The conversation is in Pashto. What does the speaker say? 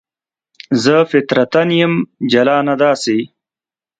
زه فطرتاً یم جلانه داسې